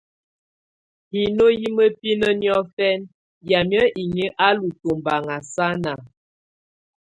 Hino hɛ̀ mǝpinǝ́ niɔ̀fɛna yamɛ̀á inyǝ́ á lù tɔmbaŋa sana.